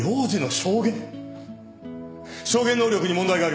証言能力に問題があります。